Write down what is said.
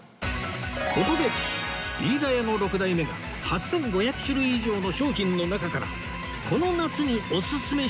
ここで飯田屋の６代目が８５００種類以上の商品の中からこの夏におすすめしたいアイテム